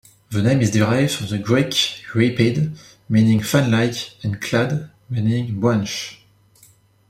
The name is derived from the Greek "rhipid" meaning "fanlike" and "clad" meaning "branch".